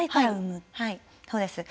そうです。